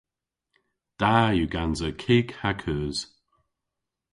Da yw gansa kig ha keus.